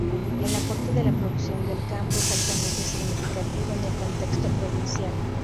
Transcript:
El aporte de la producción del campo es altamente significativo en el contexto provincial.